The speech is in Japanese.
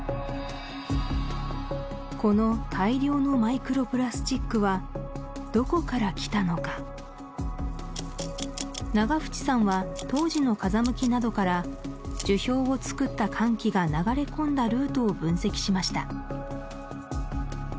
この大量のマイクロプラスチックはどこから来たのか永淵さんは当時の風向きなどから樹氷を作った寒気が流れ込んだルートを分析しました